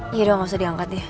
yaudah gak usah diangkat ya